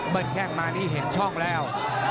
เบิ้ลแค่งมานี่เห็นช่องแล้ว